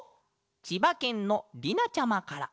ちばけんの「りな」ちゃまから。